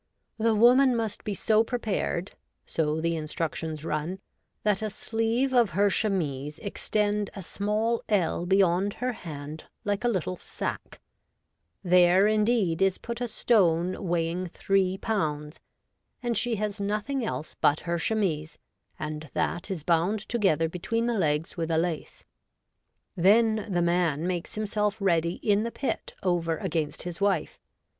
' The woman must be so prepared,' so the instructions run, ' that a sleeve of her chemise extend a small ell beyond her hand like a little sack : there indeed is put a stone weighing iii pounds; and she has nothing else but her chemise, and that is bound together between the legs with a lace. Then the man makes himself ready in the pit over against his wife.